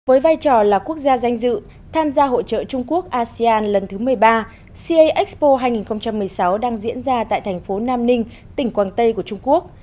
với vai trò là quốc gia danh dự tham gia hội trợ trung quốc asean lần thứ một mươi ba ca expo hai nghìn một mươi sáu đang diễn ra tại thành phố nam ninh tỉnh quảng tây của trung quốc